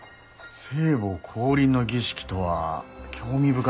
聖母降臨の儀式とは興味深いですね。